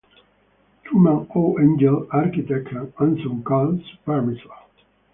Truman O. Angell, architect and Anson Call, supervisor.